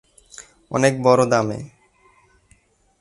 অনেক বড় দামে।।